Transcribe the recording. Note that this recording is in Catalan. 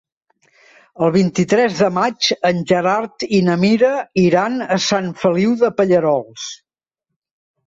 El vint-i-tres de maig en Gerard i na Mira iran a Sant Feliu de Pallerols.